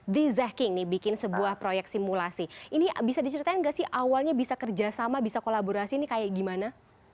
di zah king nih bikin sebuah proyek simulasi ini bisa diceritain gak sih awalnya bisa kerjasama bisa kolaborasi nih kayak gimana